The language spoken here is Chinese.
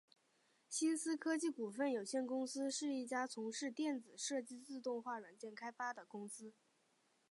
新思科技股份有限公司是一家从事电子设计自动化软件开发的公司。